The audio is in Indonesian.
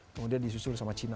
kemudian disusul sama china